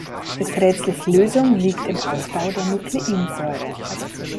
Des Rätsels Lösung liegt im Aufbau der Nukleinsäure.